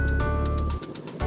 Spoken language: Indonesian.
langsung ke base camp ya